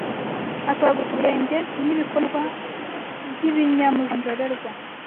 atoragura utubuyenge n’ibikonoshwa by’ibinyamujonjorerwa